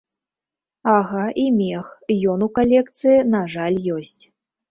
Ага, і мех, ён у калекцыі, на жаль, ёсць.